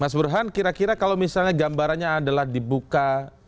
mas burhan kira kira kalau misalnya gambarannya adalah dibuka